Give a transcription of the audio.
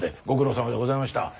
ご苦労さまでございました。